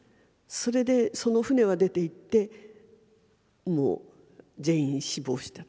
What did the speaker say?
それでその船は出ていってもう全員死亡した。